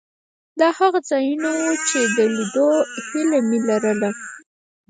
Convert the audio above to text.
دا هغه ځایونه وو چې د لیدو هیله مې لرله.